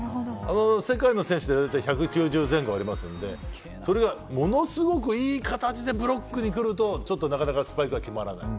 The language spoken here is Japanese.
世界の選手は１９０前後ありますのでものすごくいい形でブロックに来るとなかなかスパイクは決まらない。